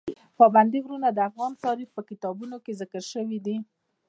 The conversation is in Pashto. پابندي غرونه د افغان تاریخ په کتابونو کې ذکر شوي دي.